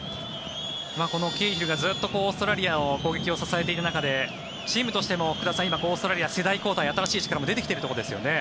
このケーヒルがずっとオーストラリアの攻撃を支えていた中でチームとしても福田さんオーストラリアは世代交代新しい力も出てきているところですよね。